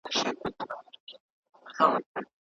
ګټه په سړه سینه کیږي.